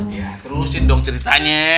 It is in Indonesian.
ya terusin dong ceritanya